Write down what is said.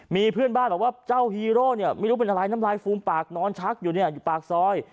มีเพื่อนบ้านบอกว่าเจ้าฮีโร่เนี่ยไม่รู้เป็นอะไรน้ำลายฟูมปากนอนชักอยู่เนี่ยอยู่ปากซอย